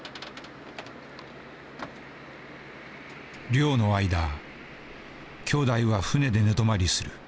漁の間兄弟は船で寝泊まりする。